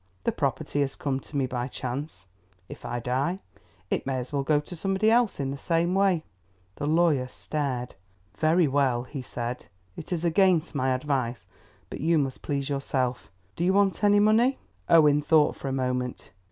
"The property has come to me by chance. If I die, it may as well go to somebody else in the same way." The lawyer stared. "Very well," he said; "it is against my advice, but you must please yourself. Do you want any money?" Owen thought for a moment.